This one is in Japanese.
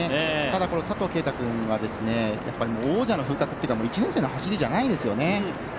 ただ、佐藤圭汰君はやっぱり王者の風格というか１年生の走りじゃないですよね。